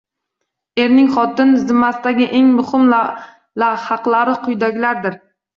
Erning xotin zimmasidagi eng muhim haqlari quyidagilardir.